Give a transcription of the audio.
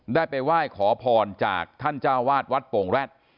ได้ไปไหว้ขอพรจากท่านเจ้าวาดวัดโป่งแร็ด